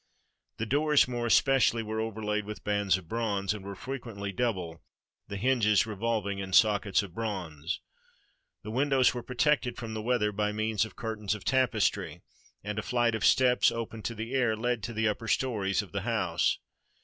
The doors more especially were overlaid with bands of bronze, and were frequently double, the hinges revolving in sockets of bronze. The windows were protected from the weather by means of curtains of tapestry; and a flight of steps, open to the air, led to the upper stories of the house.